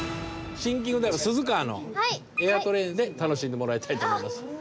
シンキングタイム鈴川のエアトレインで楽しんでもらいたいと思います。